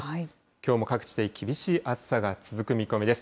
きょうも各地で厳しい暑さが続く見込みです。